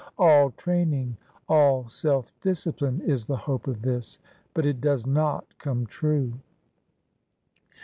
All training — all self discipline is the hope of this. But it does not come true."